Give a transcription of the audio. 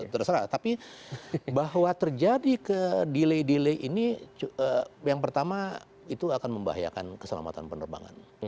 terserah tapi bahwa terjadi ke delay delay ini yang pertama itu akan membahayakan keselamatan penerbangan